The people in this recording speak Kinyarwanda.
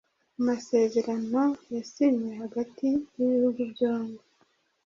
amasezerano yasinywe hagati y'ibihugu byombi